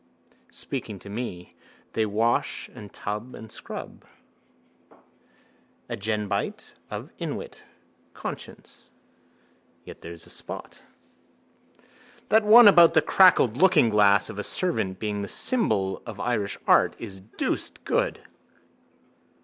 Speaking to me. They wash and tub and scrub. Agenbite of inwit. Conscience. Yet here's a spot. —That one about the cracked lookingglass of a servant being the symbol of Irish art is deuced good.